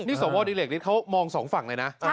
นี่สวดิเหล็กฤทธิเขามองสองฝั่งเลยนะ